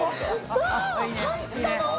半地下の？